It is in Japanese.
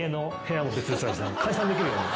解散できるように。